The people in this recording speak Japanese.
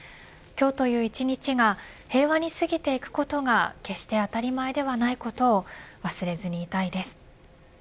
今日という一日が平和にすぎていくことが決してあたりまえではないことを忘れずにいたいです。